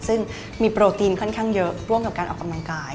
ซึ่งมีโปรตีนค่อนข้างเยอะร่วมกับการออกกำลังกาย